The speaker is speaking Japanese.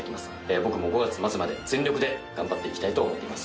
僕も５月末まで全力で頑張っていきたいと思っています。